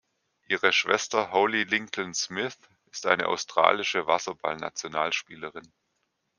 Ihre Schwester Holly Lincoln-Smith ist eine australische Wasserball-Nationalspielerin.